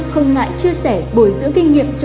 không ngại chia sẻ bồi dưỡng kinh nghiệm cho